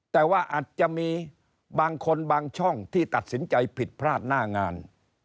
แต่ว่าอาจจะมีบางคนบางช่องที่ตัดสินใจผิดพลาดหน้างาน